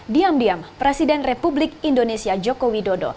diam diam presiden republik indonesia jokowi dodo